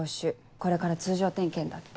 これから通常点検だって。